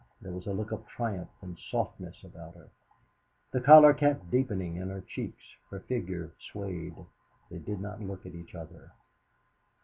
There was a look of triumph and softness about her; the colour kept deepening in her cheeks, her figure swayed. They did not look at each other.